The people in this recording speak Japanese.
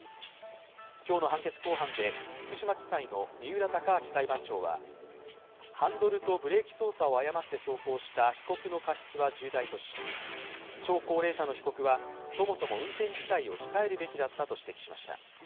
今日の判決公判で福島地裁の三浦隆昭裁判長はハンドルとブレーキ操作を誤って走行した被告の過失は重大とし、超高齢者の被告はそもそも運転自体を控えるべきだったと指摘しました。